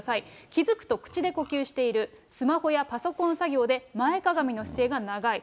気付くと口で呼吸している、スマホやパソコン作業で前かがみの姿勢が長い。